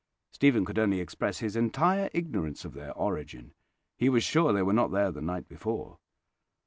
Stephen could only express his entire ignorance of their origin: he was sure they were not there the night before.